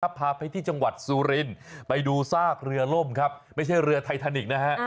พาไปที่จังหวัดสุรินไปดูซากเรือล่มครับไม่ใช่เรือไททานิกนะฮะ